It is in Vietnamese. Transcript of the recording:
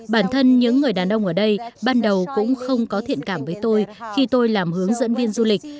bản thân những người đàn ông ở đây ban đầu cũng không có thiện cảm với tôi khi tôi làm hướng dẫn viên du lịch